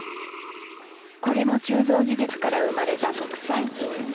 これも鋳造技術から生まれた特産品。